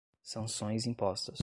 sanções impostas